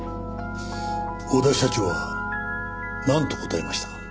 小田社長はなんと答えましたか？